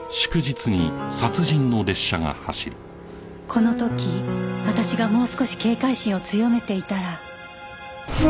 この時私がもう少し警戒心を強めていたら